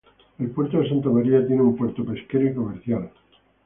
El Puerto de Santa María tiene un puerto pesquero y comercial.